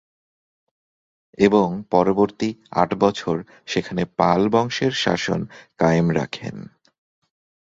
এবং পরবর্তী আট বছর সেখানে পাল বংশের শাসন কায়েম রাখেন।